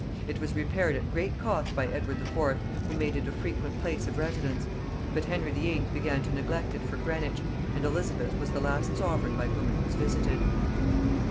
It was repaired at great cost by Edward IV., who made it a frequent place of residence; but Henry VIII. began to neglect it for Greenwich, and Elizabeth was the last sovereign by whom it was visited.